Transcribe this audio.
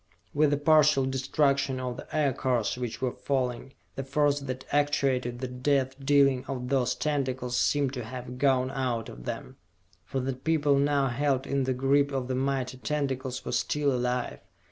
With the partial destruction of the Aircars which were falling, the force that actuated the death dealing of those tentacles seemed to have gone out of them. For the people now held in the grip of the mighty tentacles were still alive!